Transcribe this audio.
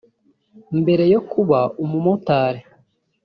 Mbere yo kuba umumotari